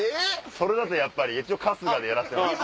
それだとやっぱり一応春日でやらしてもらって。